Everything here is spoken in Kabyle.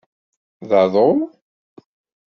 D aḍu?